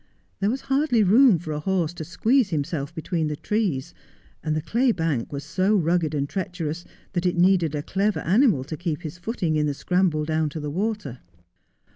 There was hardly room for a horse to squeeze himself between the trees, and the clay bank was so rugged and treacherous that it needed a clever animal to keep his footing in the scramble down to the water.